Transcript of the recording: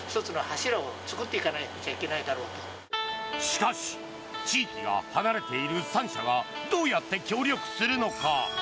しかし地域が離れている３社がどうやって協力するのか。